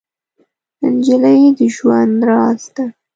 نجلۍ د ژوند راز ده.